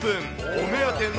お目当ての。